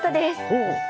ほう！